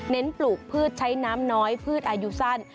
ปลูกพืชใช้น้ำน้อยพืชอายุสั้น